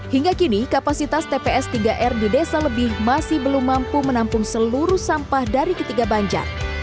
hingga kini kapasitas tps tiga r di desa lebih masih belum mampu menampung seluruh sampah dari ketiga banjar